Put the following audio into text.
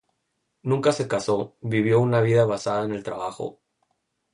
Nunca se casó, vivió una vida basada en el trabajo.